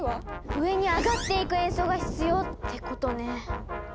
上にあがっていく演奏が必要ってことね。